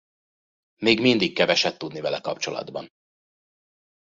Még mindig keveset tudni vele kapcsolatban.